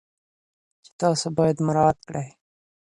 چې تاسو باید مراعات کړئ.